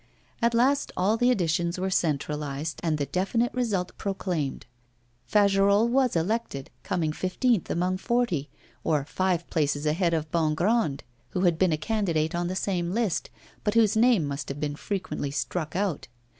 At last all the additions were centralised and the definite result proclaimed. Fagerolles was elected, coming fifteenth among forty, or five places ahead of Bongrand, who had been a candidate on the same list, but whose name must have been frequently struck out.